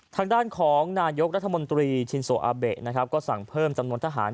ทางด้านของนายกรัฐมนตรีชินโซอาเบะนะครับก็สั่งเพิ่มจำนวนทหาร